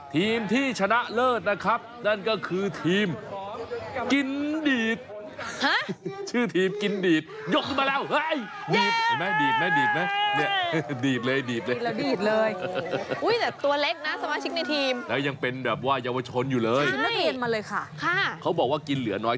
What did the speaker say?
ทีมที่ชนะเลิศนะครับนั่นก็คือทีมกินดีดฮะชื่อทีมกินดีดยกขึ้นมาแล้วเฮ้ย